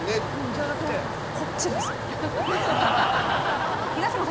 じゃなくてこっちです。